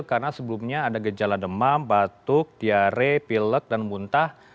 karena sebelumnya ada gejala demam batuk tiare pilek dan muntah